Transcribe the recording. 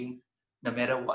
tidak peduli umur apa